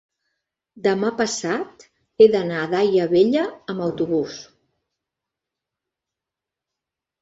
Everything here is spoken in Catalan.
Demà passat he d'anar a Daia Vella amb autobús.